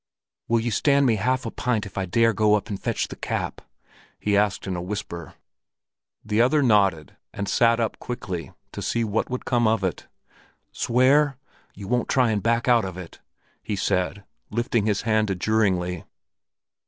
"Will you stand me half a pint if I dare go up and fetch the cap?" he asked in a whisper. The other nodded and sat up quickly to see what would come of it. "Swear? You won't try and back out of it?" he said, lifting his hand adjuringly.